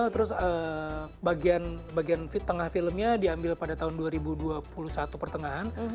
terus bagian tengah filmnya diambil pada tahun dua ribu dua puluh satu pertengahan